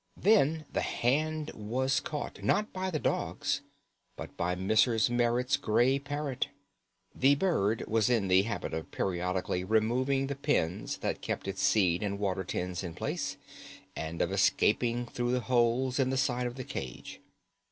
Then the hand was caught, not by the dogs, but by Mrs. Merrit's gray parrot. The bird was in the habit of periodically removing the pins that kept its seed and water tins in place, and of escaping through the holes in the side of the cage.